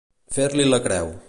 Fer-hi la creu.